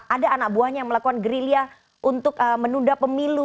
ada anak buahnya yang melakukan gerilya untuk menunda pemilu